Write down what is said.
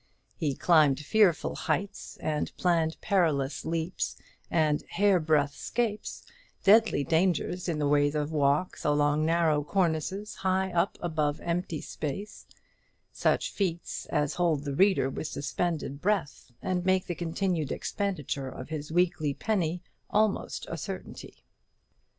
He climbed fearful heights, and planned perilous leaps and "hairbreadth 'scapes," deadly dangers in the way of walks along narrow cornices high up above empty space; such feats as hold the reader with suspended breath, and make the continued expenditure of his weekly penny almost a certainty.